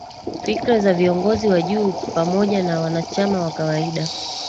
Fikra za viongozi wa juu pamoja na wanachama wa kawaida